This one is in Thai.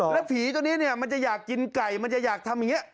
แล้วผีตัวนี้เนี่ยมันจะอยากกินไก่มันจะอยากทำอย่างนี้